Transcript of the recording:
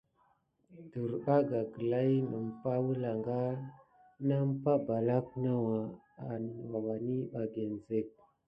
Derbaga gla i nəmpa wəlanga nampa balak nawa awaniɓa ginzek.